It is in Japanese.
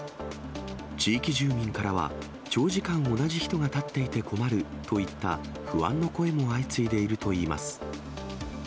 地域住民からは、長時間同じ人が立っていて困るといった、不安の声も相次いでいるといいます。